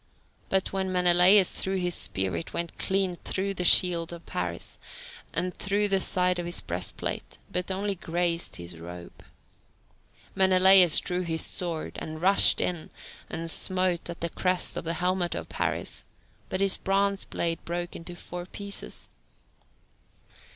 But when Menelaus threw his spear it went clean through the shield of Paris, and through the side of his breastplate, but only grazed his robe. Menelaus drew his sword, and rushed in, and smote at the crest of the helmet of Paris, but his bronze blade broke into four pieces.